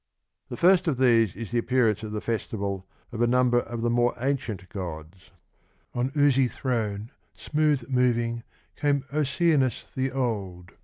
The first of these is the appearance at the festival of a number of the more ancient gods : On 00/ \ throne Smooth moving came Oceanus the old, Ooeanun.